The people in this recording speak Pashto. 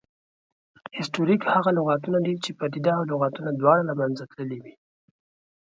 هسټوریک هغه لغتونه دي، چې پدیده او لغتونه دواړه له منځه تللې وي